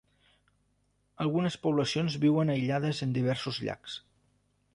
Algunes poblacions viuen aïllades en diversos llacs.